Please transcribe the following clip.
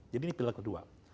jadi ini pilar kedua